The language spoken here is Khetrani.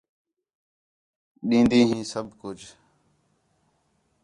ݙین٘دی ہیں سب کُج